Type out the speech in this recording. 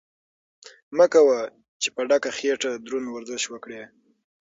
مه کوه چې په ډکه خېټه دروند ورزش وکړې.